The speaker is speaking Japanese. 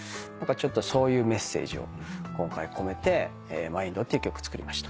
そういうメッセージを今回込めて『ＭＹＮＤ』っていう曲作りました。